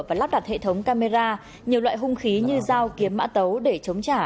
và lắp đặt hệ thống camera nhiều loại hung khí như dao kiếm mã tấu để chống trả